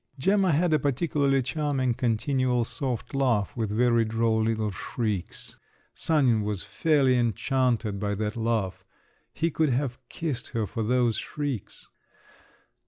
Gemma had a particularly charming, continual, soft laugh, with very droll little shrieks…. Sanin was fairly enchanted by that laugh—he could have kissed her for those shrieks!